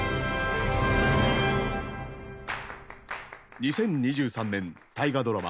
２０２３年大河ドラマ